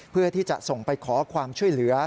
เพื่อที่จะส่งไปขอความช่วยเหลือ